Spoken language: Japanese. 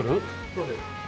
そうです。